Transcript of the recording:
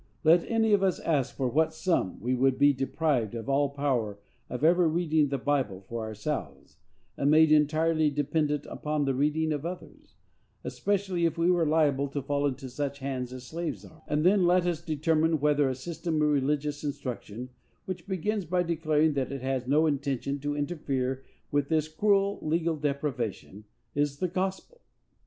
Let any of us ask for what sum we would be deprived of all power of ever reading the Bible for ourselves, and made entirely dependent on the reading of others,—especially if we were liable to fall into such hands as slaves are,—and then let us determine whether a system of religious instruction, which begins by declaring that it has no intention to interfere with this cruel legal deprivation, is the gospel!